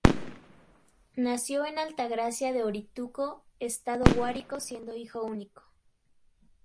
Nació en Altagracia de Orituco, estado Guárico, siendo hijo único.